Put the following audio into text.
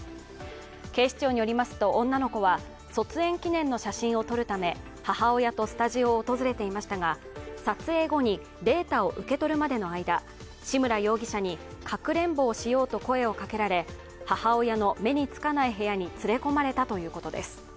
警視庁によりますと、女の子は卒園記念の写真を撮るため母親とスタジオを訪れていましたが、撮影後にデータを受け取るまでの間志村容疑者にかくれんぼをしようと声をかけられ、母親の目につかない部屋に連れ込まれたということです。